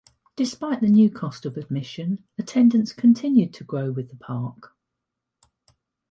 Despite the new cost of admission, attendance continued to grow with the park.